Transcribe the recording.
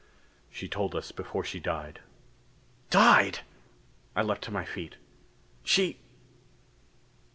She told us before she died." "Died!..." I leaped to my feet. "She